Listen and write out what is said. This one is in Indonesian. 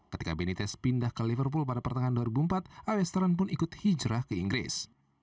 ketika bennytes pindah ke liverpool pada pertengahan dua ribu empat aesteran pun ikut hijrah ke inggris